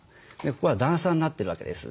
ここは段差になってるわけです。